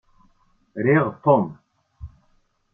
Riɣ Tom.